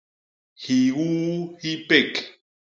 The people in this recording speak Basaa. Hiuu hi pék.